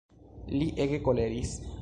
Li ege koleris.